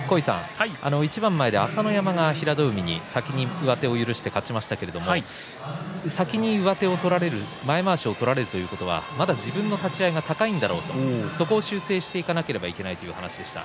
一番前で朝乃山が平戸海に先に上手を許して勝ちましたけれども先に上手を取られる前まわしを取られるということはまだ自分の立ち合いが高いんだろう、そこを修正していかなければいけないと言いました。